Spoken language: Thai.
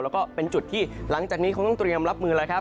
แล้วก็เป็นจุดที่หลังจากนี้คงต้องเตรียมรับมือแล้วครับ